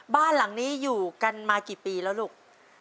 บ้านหลังนี้อยู่กันมากี่ปีแล้วลูก